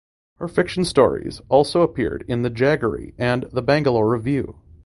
Her fiction stories have also appeared in the "Jaggery" and "The Bangalore Review".